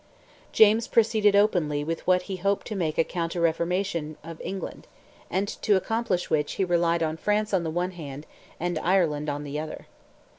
James proceeded openly with what he hoped to make a counter reformation of England, and to accomplish which he relied on France on the one hand, and Ireland on the other.